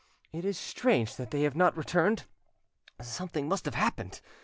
. It is strange that they have not returned; something must have happened!